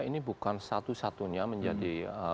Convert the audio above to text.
ini bukan satu satunya menjadi